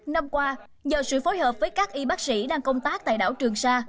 năm qua nhờ sự phối hợp với các y bác sĩ đang công tác tại đảo trường sa